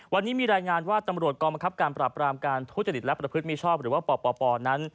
วันนี้มีรายงานว่าตำรวจกองบังคับการปรับรามการทุจริตและประพฤติมิชอบหรือว่าปปนั้น